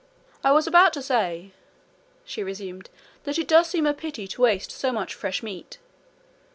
'I was about to say,' she resumed, 'that it does seem a pity to waste so much fresh meat.'